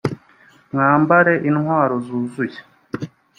mwambare intwaro zuzuye